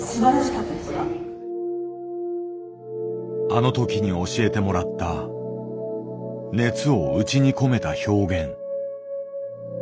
あの時に教えてもらった熱を内に込めた表現。